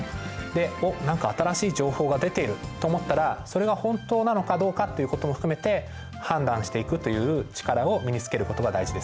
で「おっ何か新しい情報が出ている」と思ったらそれが本当なのかどうかっていうことも含めて判断していくという力を身につけることが大事ですね。